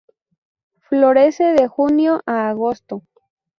Florece de junio a agosto.